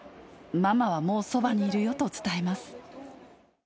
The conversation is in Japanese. ママはもうそばにいるよと伝えます。